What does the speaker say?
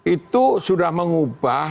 itu sudah mengubah